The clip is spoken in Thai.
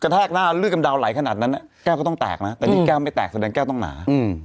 ถ้าไปทำมาก็โดนแก้วเขาคือโดนเครื่องมา